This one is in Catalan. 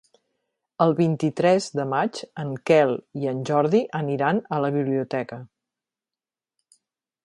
El vint-i-tres de maig en Quel i en Jordi aniran a la biblioteca.